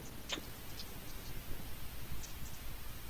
出身于茨城县。